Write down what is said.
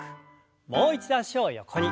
もう一度脚を横に。